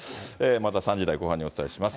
また３時台後半にお伝えします。